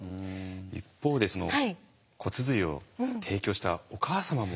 一方でその骨髄を提供したお母様も。